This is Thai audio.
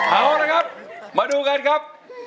เอาละครับมาดูกันครับ